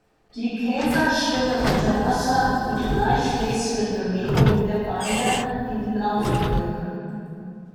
Die Käfer schwimmen unter Wasser mit gleichmäßigen Bewegungen der Beine, die wie Laufen wirken.